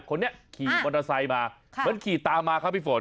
คนนี้ขี่มอเตอร์ไซค์มาเหมือนขี่ตามมาครับพี่ฝน